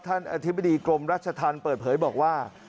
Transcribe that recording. อธิบดีกรมรัชธรรมเปิดเผยบอกว่า